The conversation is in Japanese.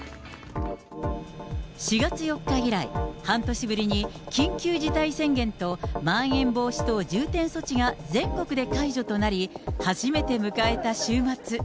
４月４日以来、半年ぶりに緊急事態宣言とまん延防止等重点措置が全国で解除となり、初めて迎えた週末。